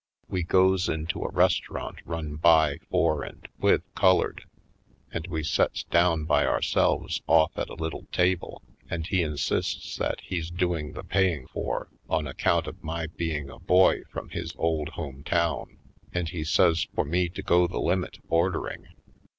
We goes into a restaurant run by, for and w^ith colored, and we sets down by ourselves off at a little table and he insists that he's doing the paying for on account of my be ing a boy from his old home town, and he says for me to go the limit, ordering.